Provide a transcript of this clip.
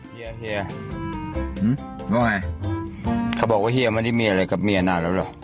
เฮียเฮียว่าไงเขาบอกว่าเฮียไม่ได้มีอะไรกับเมียนานแล้วเหรอ